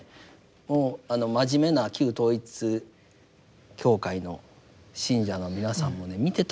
もう真面目な旧統一教会の信者の皆さんもね見てたらいいと思いますね。